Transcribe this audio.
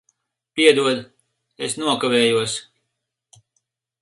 Piedod, es nokavējos.